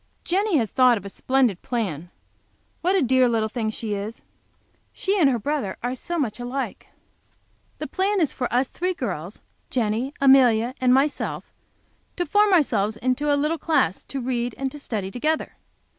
Jenny has thought of such a splendid plan! What a dear little thing she is! She and her brother are so much alike! The plan is for us three girls, Jenny, Amelia and myself, to form ourselves into a little class to read and to study together.